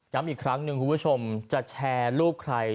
อีกครั้งหนึ่งคุณผู้ชมจะแชร์รูปใคร